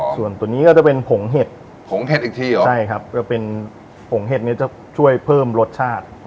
ส่วนตัวนี้ก็จะเป็นผงเห็ดใช่ครับก็เป็นผงเห็ดนี้จะช่วยเพิ่มรสชาติ